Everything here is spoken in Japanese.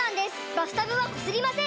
バスタブはこすりません！